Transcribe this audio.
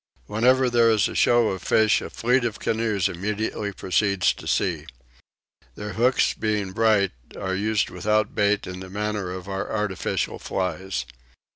Whenever there is a show of fish a fleet of canoes immediately proceeds to sea. Their hooks being bright are used without bait in the manner of our artificial flies.